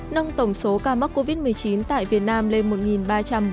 nâng tổng số ca mắc covid một mươi chín tại việt nam lên một ba trăm một mươi ca